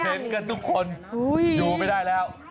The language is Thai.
เห็นกันทุกคนอยู่ไม่ได้แล้ว